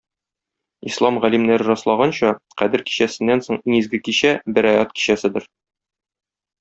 Ислам галимнәре раслаганча, Кадер кичәсеннән соң иң изге кичә - Бәраәт кичәседер.